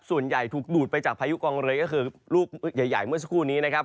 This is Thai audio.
ส่วนใหญ่ถูกดูดไปจากพายุกองเลยก็คือลูกใหญ่เมื่อสักครู่นี้นะครับ